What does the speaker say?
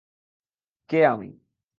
কে, আমি?